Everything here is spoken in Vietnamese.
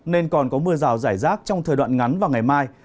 nên còn có mưa rào giải rác trong thời đoạn ngắn và ngày mai